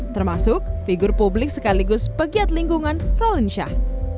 termasuk figur publik sekaligus pegiat lingkungan rolinsyah